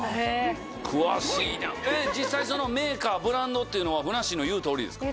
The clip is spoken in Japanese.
詳しいな実際メーカーブランドっていうのはふなっしーの言う通りですか？